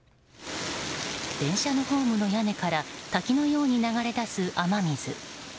電車のホームの屋根から滝のように流れ出す雨水。